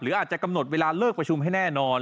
อาจจะกำหนดเวลาเลิกประชุมให้แน่นอน